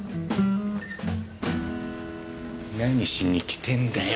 何しに来てんだよ